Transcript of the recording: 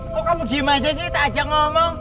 kok kamu gimana sih tak ajak ngomong